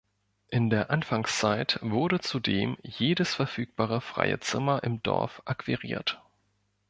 In der Anfangszeit wurde zudem jedes verfügbare freie Zimmer im Dorf akquiriert.